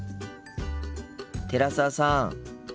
寺澤さん。